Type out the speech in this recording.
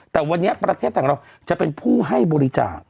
แต่วันนี้ประเทศไทยของเราจะเป็นผู้ให้บริจาค